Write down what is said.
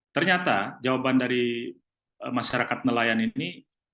ternyata jawaban dari masyarakat nelayan ini